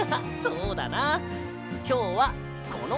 そうだな。